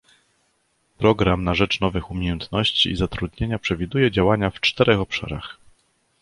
Program na rzecz nowych umiejętności i zatrudnienia przewiduje działania w czterech obszarach